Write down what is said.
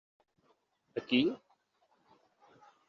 A qui?